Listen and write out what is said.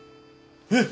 えっ！